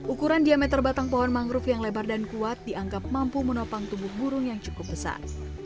ukuran diameter batang pohon mangrove yang lebar dan kuat dianggap mampu menopang tubuh burung yang cukup besar